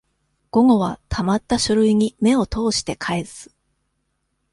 午後は、溜った書類に目を通して返す。